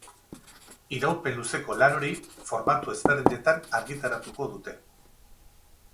Iraupen luzeko lan hori formatu ezberdinetan argitaratuko dute.